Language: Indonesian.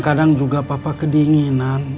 kadang juga papa kedinginan